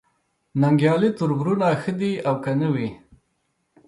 ننګیالي تربرونه ښه دي او که نه وي